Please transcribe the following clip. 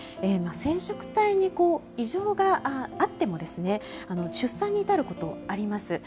染色体に異常があっても、出産に至ることあります。